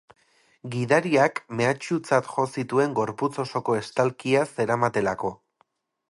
Gidariak mehatxutzat jo zituen gorputz osoko estalkia zeramatelako.